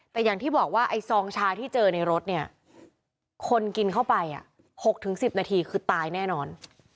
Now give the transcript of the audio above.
แต่อย่างที่บอกว่าไอ้ซองชาที่เจอในรถเนี่ยคนกินเข้าไป๖๑๐นาทีคือตายแน่นอน